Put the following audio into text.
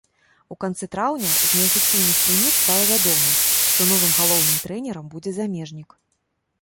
У канцы траўня з неафіцыйных крыніц стала вядома, што новым галоўным трэнерам будзе замежнік.